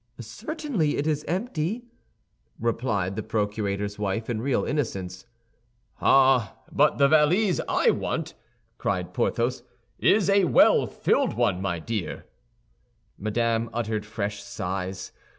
"Certainly it is empty," replied the procurator's wife, in real innocence. "Ah, but the valise I want," cried Porthos, "is a well filled one, my dear." Madame uttered fresh sighs.